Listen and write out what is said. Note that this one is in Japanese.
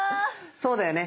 そうだよね。